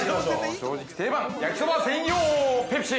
◆正直定番、焼きそば専用ペプシ。